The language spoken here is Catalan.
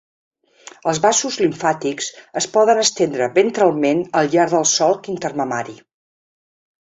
Els vasos limfàtics es poden estendre ventralment al llarg del solc intermamari.